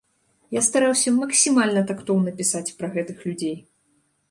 Я стараўся максімальна тактоўна пісаць пра гэтых людзей.